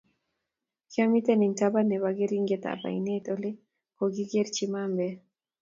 kiomiten eng taban nebo keringet ab ainet ole kokerchi mambet